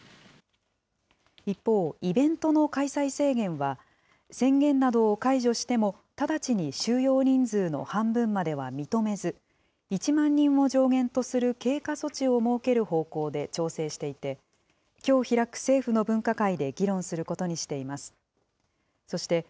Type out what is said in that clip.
一方、イベントの開催制限は、宣言などを解除しても、直ちに収容人数の半分までは認めず、１万人を上限とする経過措置を設ける方向で調整していて、きょう開く政府の分科会で議論することにしています。